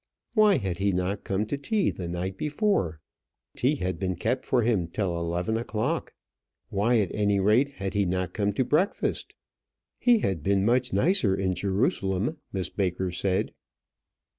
"Why had he not come to tea the night before? Tea had been kept for him till eleven o'clock. Why, at any rate, had he not come to breakfast? He had been much nicer in Jerusalem," Miss Baker said.